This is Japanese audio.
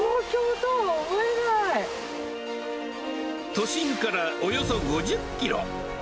都心からおよそ５０キロ。